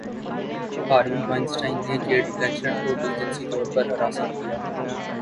Harvey Weinstein نے Kate Blanchett کو بھی جنسی طور پر ہراساں کیا